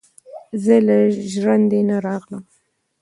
ـ زه له ژړندې نه راغلم،